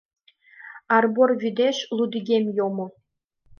Арбор вӱдеш лудигем йомо